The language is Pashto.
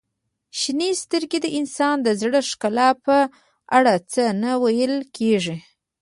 • شنې سترګې د انسان د زړه ښکلا په اړه څه نه ویل کیږي.